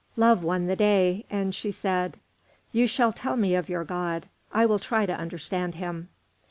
Love won the day, and she said: "You shall tell me of your God; I will try to understand him."